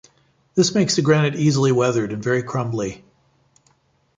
This makes the granite easily weathered and very crumbly.